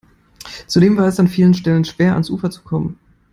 Zudem war es an vielen Stellen schwer, ans Ufer zu kommen.